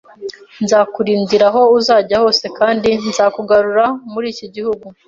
nzakurindira aho uzajya hose kandi nzakugarura muri iki gihugu